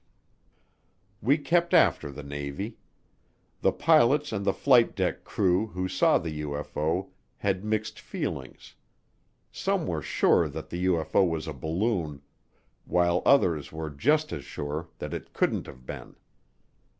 We kept after the Navy. The pilots and the flight deck crew who saw the UFO had mixed feelings some were sure that the UFO was a balloon while others were just as sure that it couldn't have been.